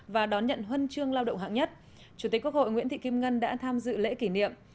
và đón nhận huân chương lao động hạng nhất chủ tịch quốc hội nguyễn thị kim ngân đã tham dự lễ kỷ niệm